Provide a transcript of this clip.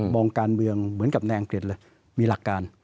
มองการเมืองเหมือนกับในอังกฤษเลยมีหลักการ